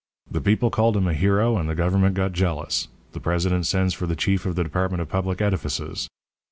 The people called him a hero and the government got jealous. The president sends for the chief of the Department of Public Edifices.